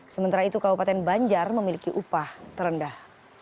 sementara itu kabupaten banjar memiliki upah terendah